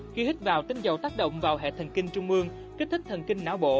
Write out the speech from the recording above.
khi hít vào tính dầu tác động vào hệ thần kinh trung mương kích thích thần kinh não bộ